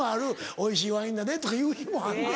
「おいしいワインだね」とか言う日もあんのや。